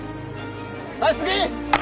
はい次！